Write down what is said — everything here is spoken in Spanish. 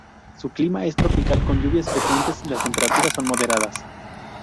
Su clima es tropical con lluvias frecuentes, las temperaturas son moderadas.